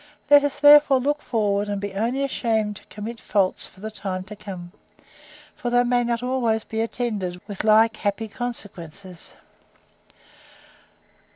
Let us, therefore, look forward, and be only ashamed to commit faults for the time to come: for they may not always be attended with like happy consequences.